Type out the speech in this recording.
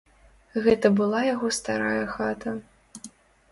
Гэта была яго старая хата.